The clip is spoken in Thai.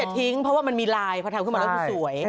ทิ้งเพราะว่ามันมีลายพอทำขึ้นมาแล้วมันสวย